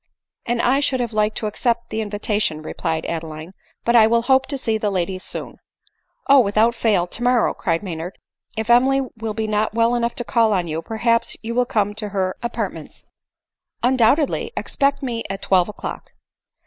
" And I should have liked to accept the invitation," replied Adeline ;" but I will hope to see the ladies soon." " Oh ! without fail, tomorrow," cried Maynard ;" if 8 82 ADELINE MOWBRAY. Emily be not well enough to call on you, perhaps you will come to her apartments." " Undoubtedly ; expect me at twelve o'clock."